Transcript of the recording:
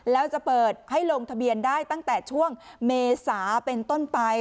แล้วจะเปิดให้ลงทะเบียนได้ตั้งแต่ช่วงเมษาเป็นต้นไป